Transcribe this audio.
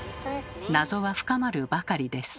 謎は深まるばかりです。